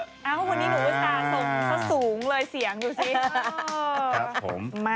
วันนี้หนูก็สะสมสะสูงเลยเสียงดูสิ